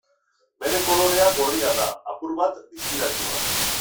Bere kolorea gorria da, apur bat distiratsua.